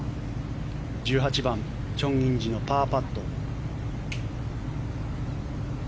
１８番、チョン・インジのパーパット。